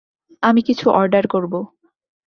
আমি কিছু অর্ডার করব।